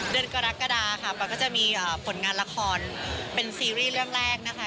กรกฎาค่ะปอยก็จะมีผลงานละครเป็นซีรีส์เรื่องแรกนะคะ